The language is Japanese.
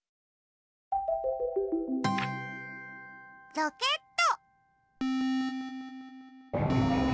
ロケット。